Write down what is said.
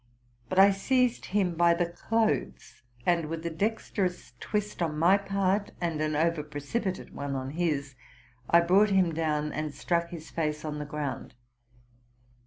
But I seized him by the clothes ; and, with a dexterous twist on my part and an over precipi tate one on his, I brought him down and struck his face on the ground.